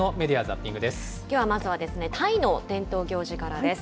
きょうはまずは、タイの伝統行事からです。